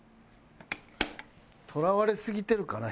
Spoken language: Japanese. とらわれすぎてるかな。